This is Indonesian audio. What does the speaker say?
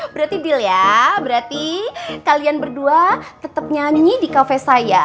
berarti deal ya berarti kalian berdua tetap nyanyi di kafe saya